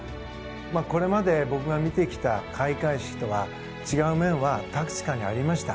これまで僕が見てきた開会式とは違う面は確かにありました。